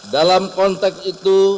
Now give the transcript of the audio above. dalam konteks itu